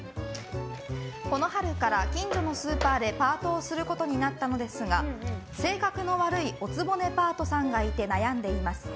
この春から近所のスーパーでパートをすることになったのですが性格の悪いお局パートさんがいて悩んでいます。